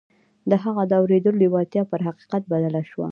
د هغه د اورېدو لېوالتیا پر حقيقت بدله شوه.